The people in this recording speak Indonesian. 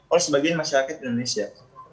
oleh sebagian masyarakat indonesia